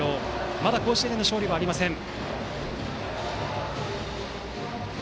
まだ甲子園での勝利はありません。